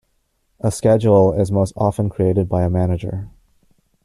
A schedule is most often created by a manager.